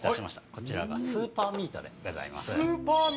こちらがスーパーミートでございます。